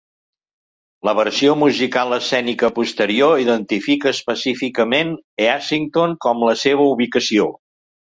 La versió musical escènica posterior identifica específicament Easington com la seva ubicació.